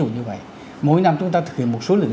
như vậy mỗi năm chúng ta thực hiện một số lượng